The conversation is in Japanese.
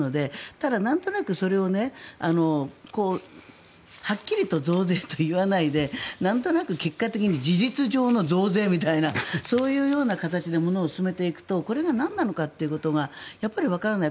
ただ、なんとなくそれをはっきりと増税といわないでなんとなく結果的に事実上の増税みたいなそういうような形で進めていくとこれが何なのかがやっぱりわからない。